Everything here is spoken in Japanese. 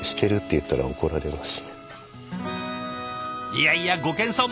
いやいやご謙遜！